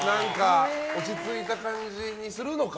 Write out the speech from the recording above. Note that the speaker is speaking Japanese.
落ち着いた感じにするのか。